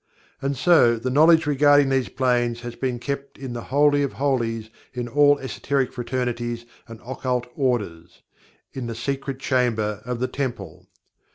And so the knowledge regarding these Planes has been kept in the Holy of Holies in all Esoteric Fraternities and Occult Orders, in the Secret Chamber of the Temple.